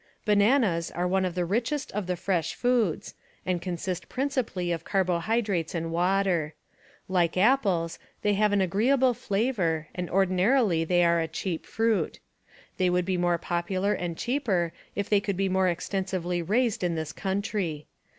Bananas are one of the richest of the fresh foods, and consist principally of carbohydrates and water. Like apples, they have an agreeable flavor and ordinarily they are a cheap fruit. They would be more popular and cheaper if they could be more extensively raised in this country.